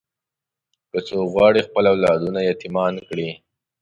که څوک غواړي خپل اولادونه یتیمان کړي.